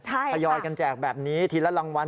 ที่รายละแบบนี้จากละการ